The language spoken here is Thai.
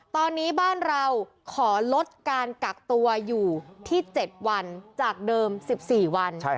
ตอนนี้บ้านเราขอลดการกักตัวอยู่ที่๗วันจากเดิม๑๔วัน